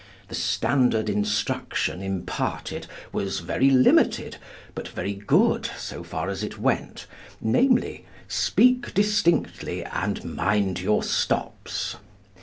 The standard instruction imparted was very limited, but very good so far as it went, namely, 'Speak distinctly and mind your stops.'